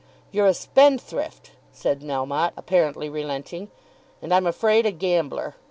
"You're a spendthrift," said Melmotte, apparently relenting, "and I'm afraid a gambler.